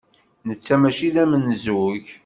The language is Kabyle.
Netta maci d amenzug.